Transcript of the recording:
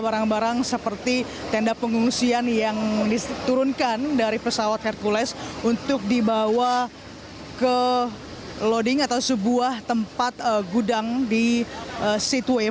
barang barang seperti tenda pengungsian yang diturunkan dari pesawat hercules untuk dibawa ke loading atau sebuah tempat gudang di seatway